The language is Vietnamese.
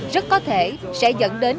rất có thể sẽ dẫn đến